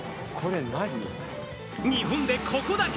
日本でここだけ！